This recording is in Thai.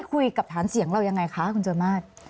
คุยกับฐานเสียงเรายังไงคะคุณโจรมาส